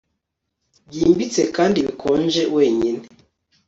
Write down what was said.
Byimbitse kandi bikonje wenyine